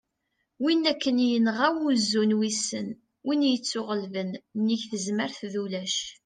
win akken yenɣa "wuzzu n wissen", win ittuɣellben : nnig tezmert d ulac